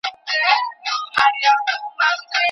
د حق مخ ته به دریږو څنګ پر څنګ به سره مله یو